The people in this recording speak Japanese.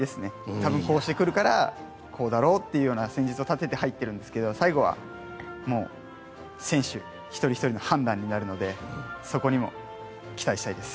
多分こうしてくるからこうだろうというような戦術を立てているんですが最後は選手の一人ひとりの判断になるのでそこにも期待です。